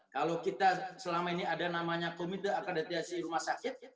kalau kita selama ini ada komite akreditasi rumah sakit